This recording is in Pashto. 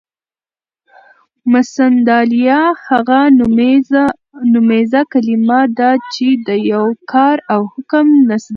مسندالیه: هغه نومیزه کلیمه ده، چي د یو کار او حکم نسبت ورته کیږي.